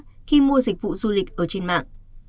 khi mua dịch vụ du lịch ở trên mạng